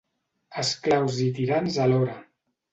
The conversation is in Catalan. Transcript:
Esclaus i tirans alhora.